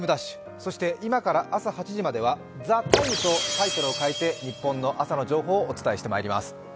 そして今から朝８時までは「ＴＨＥＴＩＭＥ，」とタイトルを変えてニッポンの朝の情報をお伝えしてまいります。